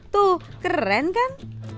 tuh keren kan